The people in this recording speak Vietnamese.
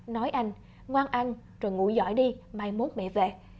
nói anh ngoan anh rồi ngủ giỏi đi mai mốt mẹ về